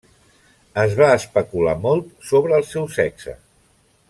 Es va especular molt sobre el seu sexe.